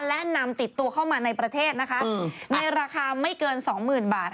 และนำติดตัวเข้ามาในประเทศนะคะในราคาไม่เกินสองหมื่นบาท